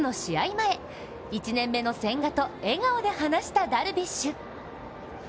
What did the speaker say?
前、１年目の千賀と笑顔で話したダルビッシュ。